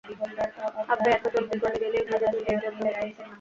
আব্বে, এতো জলদি গলে গেলি, যদি তুই নির্জারা হতি।